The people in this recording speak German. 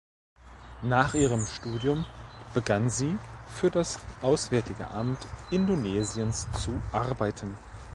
Nach ihrem Studium begann sie für das Auswärtige Amt Indonesiens zu arbeiten.